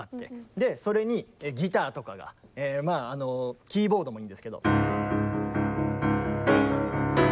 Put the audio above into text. でそれにギターとかがまああのキーボードもいいんですけど。